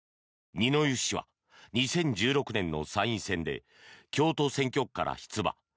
二之湯氏は２０１６年の参院選で京都選挙区から出馬。